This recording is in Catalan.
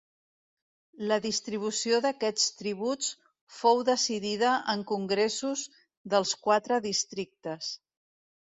La distribució d'aquests tributs fou decidida en congressos dels quatre districtes.